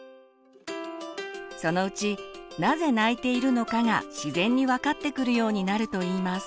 そのうちなぜ泣いているのかが自然に分かってくるようになるといいます。